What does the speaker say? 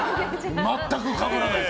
全くかぶらない！